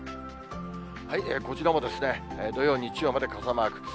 こちらも土曜、日曜まで傘マークです。